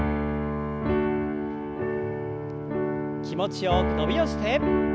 気持ちよく伸びをして。